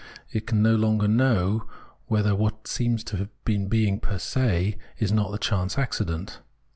It can no longer know whether what seems to have being per se is not a chance accident.